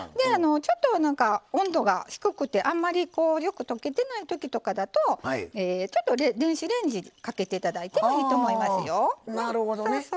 ちょっと温度が低くてあまりよく溶けてないときとかだとちょっと電子レンジにかけていただいてもいいと思いますよ。